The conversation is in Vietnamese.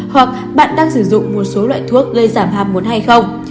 hoặc bạn đang sử dụng một số loại thuốc gây giảm ham muốn hay không